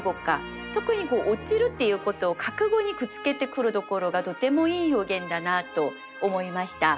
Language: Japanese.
特に落ちるっていうことを覚悟にくっつけてくるところがとてもいい表現だなと思いました。